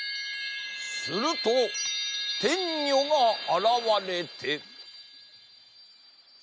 するとてんにょがあらわれて。